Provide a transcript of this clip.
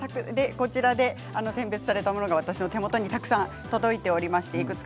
こちらで選別されたものが私の手元にたくさん届いています。